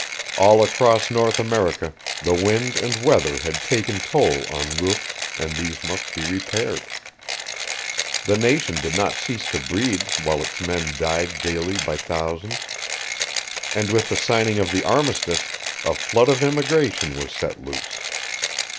All across North America the wind and weather had taken toll of roofs, and these must be repaired. The nation did not cease to breed while its men died daily by thousands. And with the signing of the armistice a flood of immigration was let loose.